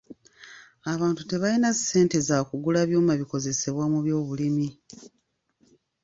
Abantu tebalina ssente za kugula byuma bikozesebwa mu byobulimi.